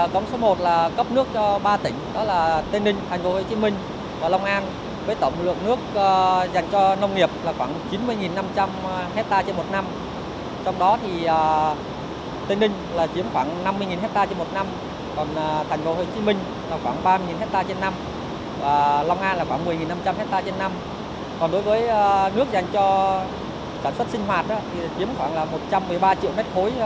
còn đối với nước dành cho sản xuất sinh hoạt thì kiếm khoảng là một trăm một mươi ba triệu mét khối trên một năm